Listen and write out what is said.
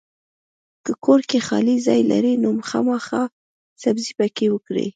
کۀ کور کې خالي ځای لرئ نو خامخا سبزي پکې وکرئ!